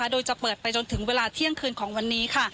โดยจะเปิดไปจนถึงเวลาเที่ยงคืนของวันนี้ค่ะ